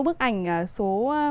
bức ảnh số